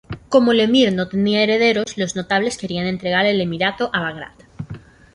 Como el emir no tenía herederos, los notables querían entregar el emirato a Bagrat.